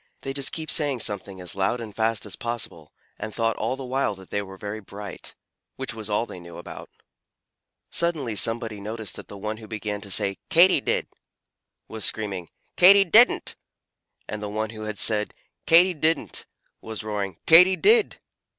They just kept saying something as loud and fast as possible and thought all the while that they were very bright which was all they knew about it. Suddenly somebody noticed that the one who began to say "Katy did!" was screaming "Katy didn't!" and the one who had said "Katy didn't!" was roaring "Katy did!"